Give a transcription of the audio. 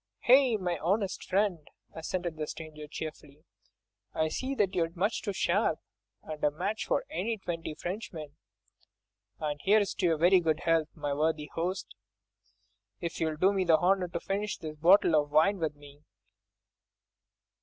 "Aye! my honest friend," assented the stranger cheerfully, "I see that you are much too sharp, and a match for any twenty Frenchmen, and here's to your very good health, my worthy host, if you'll do me the honour to finish this bottle of mine with me."